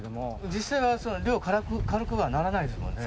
実際は量、軽くはならないですもんね。